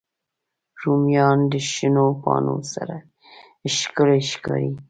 رومیان د شنو پاڼو سره ښکلي ښکاري